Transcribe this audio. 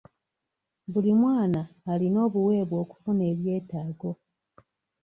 Buli mwana alina obuweebwa okufuna ebyetaago.